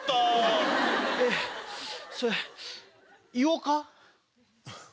えっそれ言おうか？